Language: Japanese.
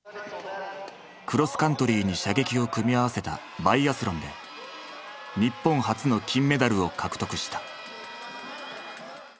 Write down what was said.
クロスカントリーに射撃を組み合わせたバイアスロンで日本初の金メダルを獲得した。